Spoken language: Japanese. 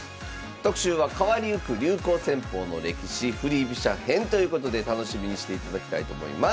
特集は「変わりゆく流行戦法の歴史振り飛車編」ということで楽しみにしていただきたいと思います。